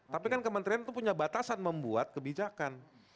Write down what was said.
tapi kan kementerian itu punya batasan membuat kebijakan